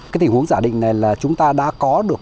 cái tình huống giả định này là chúng ta đã có được